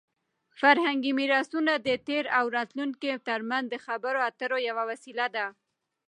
فرهنګي میراثونه د تېر او راتلونکي ترمنځ د خبرو اترو یوه وسیله ده.